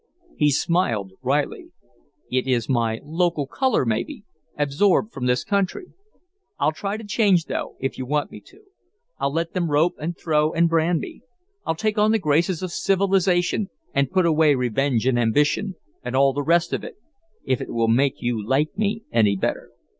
He smiled wryly. "It is my local color, maybe absorbed from this country. I'll try to change, though, if you want me to. I'll let them rope and throw and brand me. I'll take on the graces of civilization and put away revenge and ambition and all the rest of it, if it will make you like me any better.